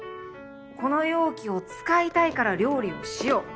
この容器を使いたいから料理をしよう。